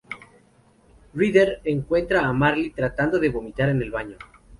Ryder encuentra a Marley tratando de vomitar en el baño.